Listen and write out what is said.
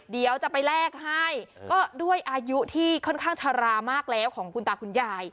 เดี๋ยวจะไปแลกให้ก็ด้วยอายุที่ค่อนข้างชะลามากแล้วของคุณตาคุณยาย